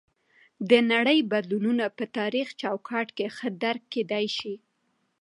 د نړۍ بدلونونه په تاریخي چوکاټ کې ښه درک کیدی شي.